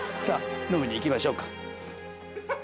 さぁ飲みに行きましょうか」。